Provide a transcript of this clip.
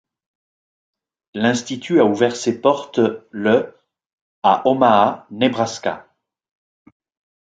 L'institut a ouvert ses portes le à Omaha, Nebraska.